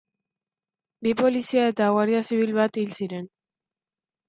Bi polizia eta guardia zibil bat hil ziren.